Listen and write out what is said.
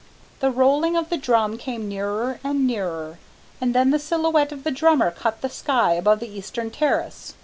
The rolling of the drum came nearer and nearer, and then the silhouette of the drummer cut the sky above the eastern terrace.